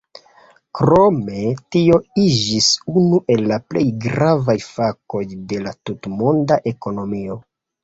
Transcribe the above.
Krome tio iĝis unu el la plej gravaj fakoj de la tutmonda ekonomio.